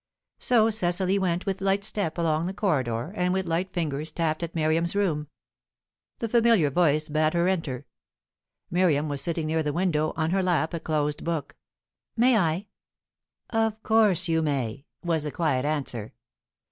So Cecily went with light step along the corridor, and with light fingers tapped at Miriam's room. The familiar voice bade her enter. Miriam was sitting near the window, on her lap a closed book. "May I ?" "Of course you may," was the quiet answer.